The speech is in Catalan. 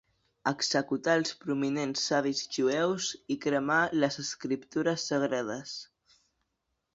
Executar els prominents savis jueus i cremar les escriptures sagrades.